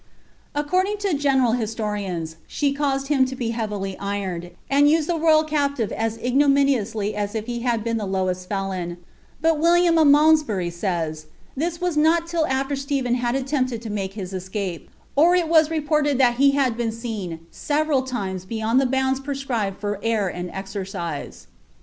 According lo (jeiietnl tusiorians, the caused liim lo be liraTilr irpcicd, and used the royal captive aa ignominiously as if lie had been Uie lowcat Tclon; but Williaiu o( Malmsbury says, "this was not btl afl«r SWfihen tuul attempted to make his escape, or it was reported tint Ike haij beea eeeu eev«ral timtis beyond the bounds prescribed for air and Merfiae."